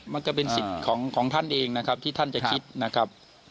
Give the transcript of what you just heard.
มันก็เป็นสิทธิ์ของท่านเองนะครับที่ท่านจะคิดนะครับ